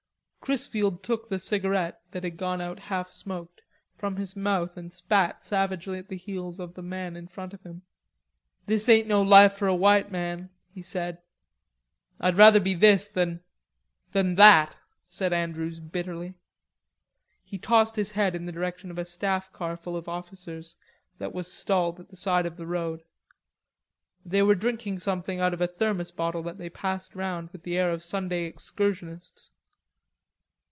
Chrisfield took the cigarette, that had gone out half smoked, from his mouth and spat savagely at the heels of the man in front of him. "This ain't no life for a white man," he said. "I'd rather be this than... than that," said Andrews bitterly. He tossed his head in the direction of a staff car full of officers that was stalled at the side of the road. They were drinking something out of a thermos bottle that they passed round with the air of Sunday excursionists.